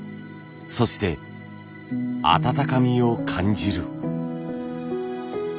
そして温かみを感じる。